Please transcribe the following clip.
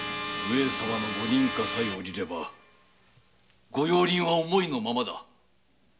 上様のご認可さえ下りれば御用林は思いのままだ。